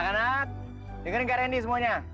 anak anak dengerin karya ini semuanya